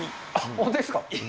本当ですか？